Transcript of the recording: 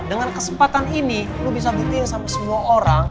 dengan kesempatan ini lo bisa ngertiin sama semua orang